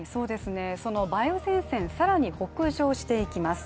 その梅雨前線、さらに北上していきます